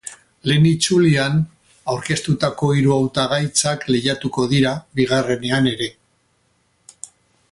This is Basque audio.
Lehen itzulian aurkeztutako hiru hautagaitzak lehiatuko dira bigarrenean ere.